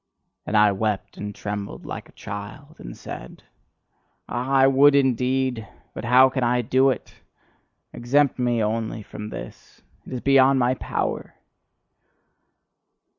And I wept and trembled like a child, and said: "Ah, I would indeed, but how can I do it! Exempt me only from this! It is beyond my power!"